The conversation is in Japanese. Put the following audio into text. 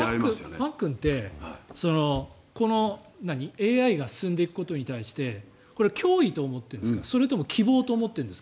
パックンってＡＩが進んでいくことに対して脅威と思ってるんですか希望と思ってるんですか？